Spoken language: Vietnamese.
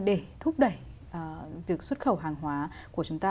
để thúc đẩy việc xuất khẩu hàng hóa của chúng ta